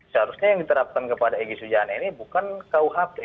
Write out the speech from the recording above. seharusnya yang diterapkan kepada egy sujana ini bukan kuhp